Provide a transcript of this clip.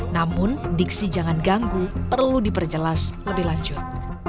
namun diksi jangan ganggu perlu diperjelas lebih lanjut